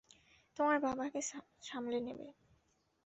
তোমার বাবাকে সামলে নিব।